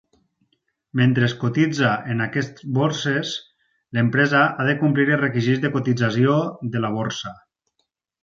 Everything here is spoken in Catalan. Mentre es cotitza en aquests borses, l'empresa ha de complir els requisits de cotització de la borsa.